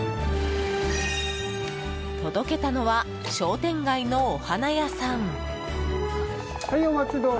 届けたのは商店街のお花屋さん。